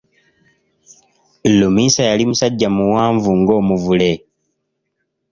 Luminsa yali musajja muwanvu ng'omuvule.